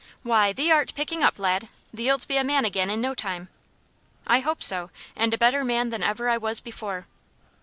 "Why, thee art picking up, lad! Thee'lt be a man again in no time." "I hope so. And a better man than ever I was before."